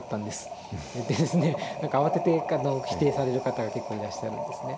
って何か慌てて否定される方が結構いらっしゃるんですね。